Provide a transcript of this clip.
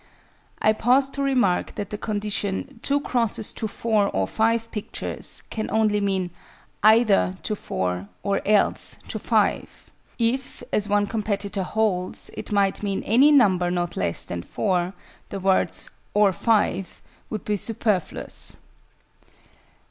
(I pause to remark that the condition "2 x's to 4 or 5 pictures" can only mean "either to 4 or else to 5": if, as one competitor holds, it might mean any number not less than 4, the words "or 5" would be superfluous.)